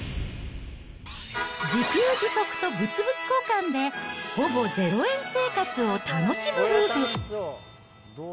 自給自足と物々交換で、ほぼ０円生活を楽しむ夫婦。